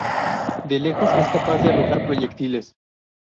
De lejos, es capaz de arrojar proyectiles.